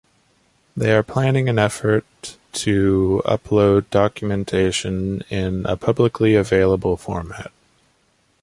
They are planning an effort to upload documentation in a publicly available format.